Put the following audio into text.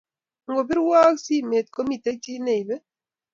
Ngobirwok simet komamiten chii neibe?